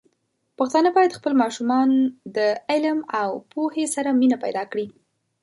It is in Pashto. پښتانه بايد خپل ماشومان د علم او پوهې سره مینه پيدا کړي.